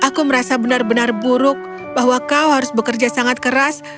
aku merasa benar benar buruk bahwa kau harus bekerja sangat keras